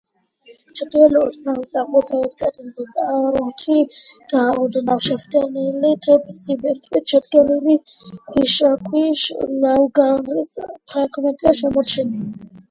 ჩრდილოეთ ნავის აღმოსავლეთ კედელზე თაროთი და ოდნავ შეზნექილი სიბრტყით შედგენილი ქვიშაქვის ლავგარდნის ფრაგმენტია შემორჩენილი.